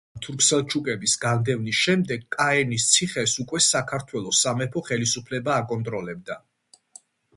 საქართველოდან თურქ-სელჩუკების განდევნის შემდეგ კაენის ციხეს უკვე საქართველოს სამეფო ხელისუფლება აკონტროლებდა.